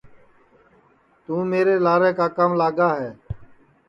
توں میرے لارے کاکام لاگا ہے